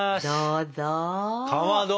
どうぞ。